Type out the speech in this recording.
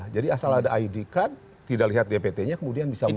jadi asal ada id card tidak lihat dpt nya kemudian bisa memilih